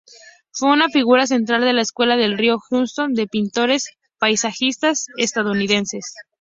Fue una figura central de la Escuela del río Hudson de pintores paisajistas estadounidenses.